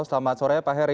selamat sore pak heri